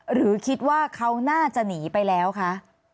หรือคิดว่าเขาน่าจะหนีไปแล้วคะ